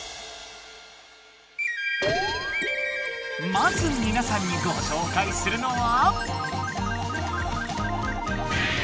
まずみなさんにごしょうかいするのは。